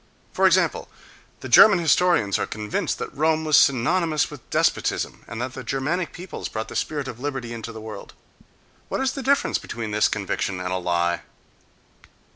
For example, the German historians are convinced that Rome was synonymous with despotism and that the Germanic peoples brought the spirit of liberty into the world: what is the difference between this conviction and a lie?